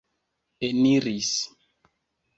eniris